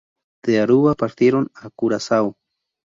De Aruba partieron a Curazao.